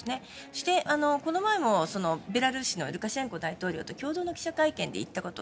そして、この前のベラルーシのルカシェンコ大統領と共同会見で言ったこと。